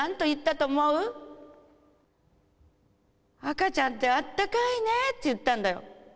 「赤ちゃんってあったかいね」って言ったんだよ。